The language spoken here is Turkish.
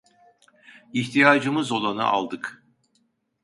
İhtiyacımız olanı aldık.